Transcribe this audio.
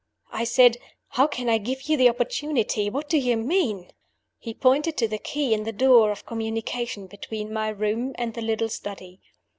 "I said, 'How can I give you the opportunity? What do you mean?' "He pointed to the key in the door of communication between my room and the little study.